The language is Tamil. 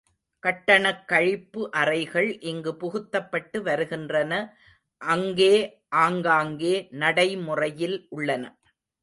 கட்டணக் கழிப்பு அறைகள் இங்குப் புகுத்தப்பட்டு வருகின்றன அங்கே ஆங்காங்கே நடைமுறையில் உள்ளன.